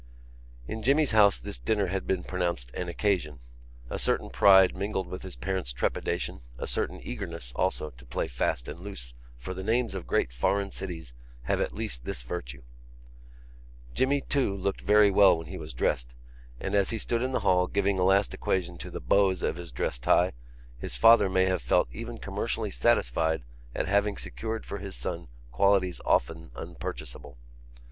In Jimmy's house this dinner had been pronounced an occasion. A certain pride mingled with his parents' trepidation, a certain eagerness, also, to play fast and loose for the names of great foreign cities have at least this virtue. Jimmy, too, looked very well when he was dressed and, as he stood in the hall giving a last equation to the bows of his dress tie, his father may have felt even commercially satisfied at having secured for his son qualities often unpurchaseable.